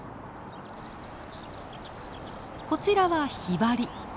こちらはヒバリ。